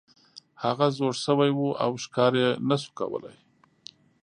هغه زوړ شوی و او ښکار یې نشو کولی.